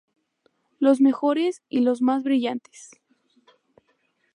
Los mejores y los más brillantes.